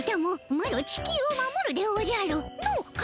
マロ地球を守るでおじゃる。